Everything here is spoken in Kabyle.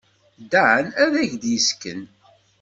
Dan ad ak-d-yessken.